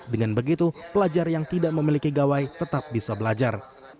dengan begitu pelajar yang tidak memiliki gawai tetap bisa belajar